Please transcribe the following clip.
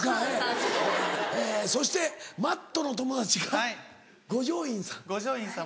えそしてＭａｔｔの友達が五条院さん？